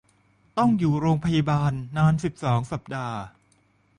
ต้องอยู่โรงพยาบาลนาน สิบสอง สัปดาห์